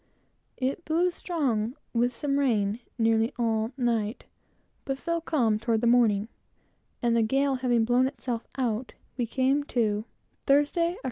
It blew strong, with some rain, nearly all night, but fell calm toward morning, and the gale having gone over, we came to, Thursday, Oct.